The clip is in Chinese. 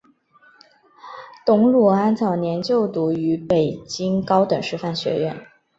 董鲁安早年就读于北京高等师范学校。